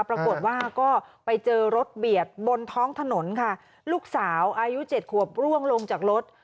ปรากฏว่าก็ไปเจอรถเบียดบนท้องถนนค่ะลูกสาวอายุเจ็ดขวบร่วงลงจากรถ